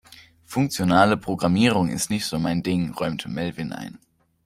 Funktionale Programmierung ist nicht so mein Ding, räumte Melvin ein.